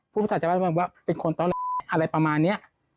พุทธศาสตร์จะว่าเป็นคนอะไรประมาณเนี่ย